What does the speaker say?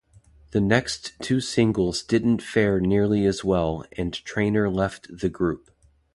The next two singles didn't fare nearly as well, and Traynor left the group.